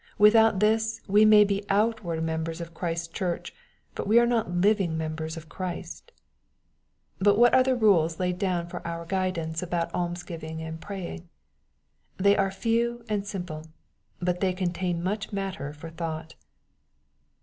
Without tl^s we may be outward members of Christ's church, but we are not living members of Christ. But what are the rules laid down for our guidance about almsgiving and praying ? They are few and simple. But they contain much matter for thought.